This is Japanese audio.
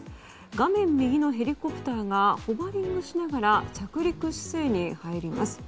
画面右のヘリコプターがホバリングしながら着陸姿勢に入ります。